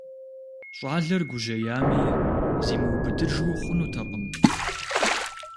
ЩӀалэр гужьеями, зимыубыдыжу хъунутэкъым.